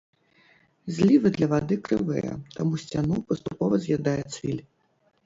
Злівы для вады крывыя, таму сцяну паступова з'ядае цвіль.